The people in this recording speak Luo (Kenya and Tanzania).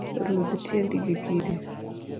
Rudh tiendi gi kidi